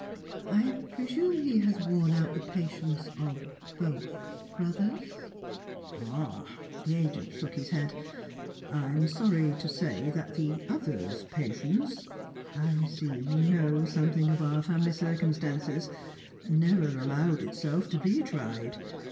"I presume he has worn out the patience of both brothers?" "Ah!" The agent shook his head, "I'm sorry to say that the other's patience I see you know something of our family circumstances never allowed itself to be tried.